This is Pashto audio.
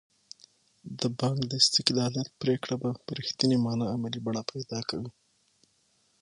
د بانک د استقلالیت پرېکړه به په رښتینې معنا عملي بڼه پیدا کوي.